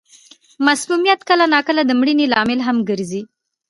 مسمومیت کله نا کله د مړینې لامل هم ګرځي.